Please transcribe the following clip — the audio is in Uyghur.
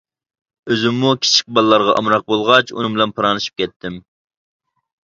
ئۆزۈممۇ كىچىك بالىلارغا ئامراق بولغاچ، ئۇنىڭ بىلەن پاراڭلىشىپ كەتتىم.